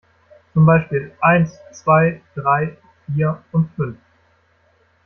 Zum Beispiel: Eins, zwei, drei, vier und fünf.